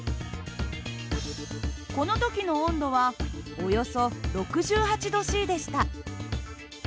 この時の温度はおよそ６８℃でした。